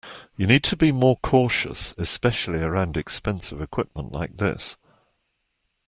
You need to be more cautious, especially around expensive equipment like this.